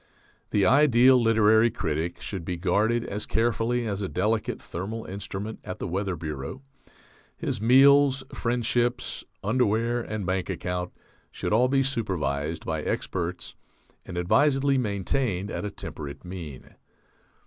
The ideal literary critic should be guarded as carefully as a delicate thermal instrument at the Weather Bureau; his meals, friendships, underwear, and bank account should all be supervised by experts and advisedly maintained at a temperate mean.